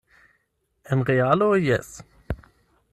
En realo, jes.